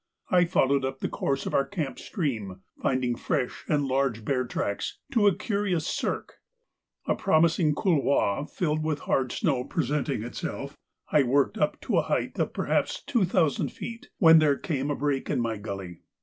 I followed up the course of our camp stream, finding fresh and large bear tracks, to a curious cirque. A promising couloir filled with hard snow presenting itself, I worked up to a height of perhaps two thousand feet, when there came a break in my gully.